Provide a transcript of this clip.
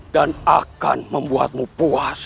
dan akan membuatmu puas